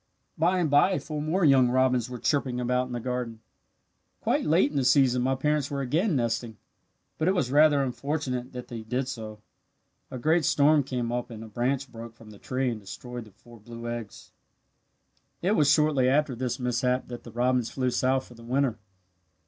By and bye four more young robins were chirping about in the garden. "Quite late in the season my parents were again nesting. But it was rather unfortunate that they did so. A great storm came up and a branch broke from the tree and destroyed the four blue eggs. "It was shortly after this mishap that the robins flew south for the winter.